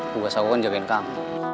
tugas aku kan jagain kang